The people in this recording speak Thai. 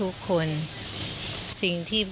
เรื่องเกษตรทฤษฎีใหม่และความพอเพียงของในหลวงรัชกาลที่๙